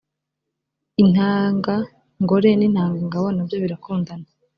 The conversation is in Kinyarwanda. intanga ngore n intanga ngabo na byo birakundana